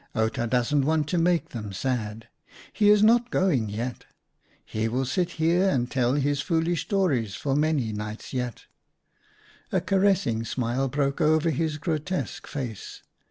" Outa doesn't want to make them sad. He is not going yet. He will sit here and tell his foolish stories for many nights yet." A caressing smile broke over his grotesque face.